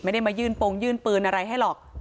ไม่ได้มายื่นโปรงยื่นปืนอะไรให้หรอก